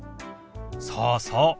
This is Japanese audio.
そうそう。